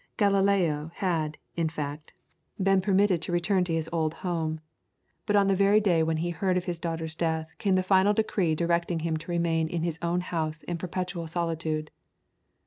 Galileo had, in fact, been permitted to return to his old home; but on the very day when he heard of his daughter's death came the final decree directing him to remain in his own house in perpetual solitude.